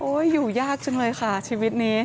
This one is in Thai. อยู่ยากจังเลยค่ะชีวิตนี้